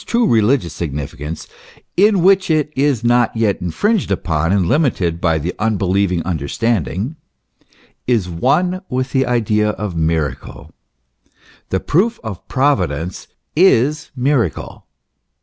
true religious significance, in which it is not yet infringed upon and limited hy the unbelieving understanding is one with the idea of miracle. The proof of Providence is miracle.